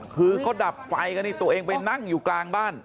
คือเขาดับไฟกันนี่ตัวเองไปนั่งอยู่กลางบ้าน